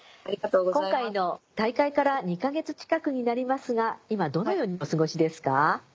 今回の大会から２か月近くになりますが今どのようにお過ごしですか？